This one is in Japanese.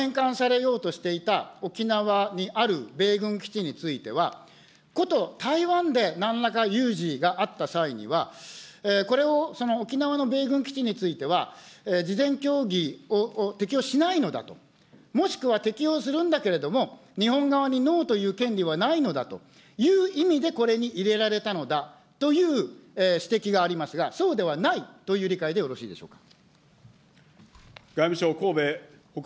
つまり一説では、この台湾条項なるものは、返還されようとしていた沖縄にある米軍基地については、こと台湾でなんらか有事があった際には、これを沖縄の米軍基地については、事前協議を適用しないのだと、もしくは適用するんだけれども、日本側にノーと言う権利はないのだという意味で、これに入れられたのだという指摘がありますが、そうではないという理解でよろしいでしょうか。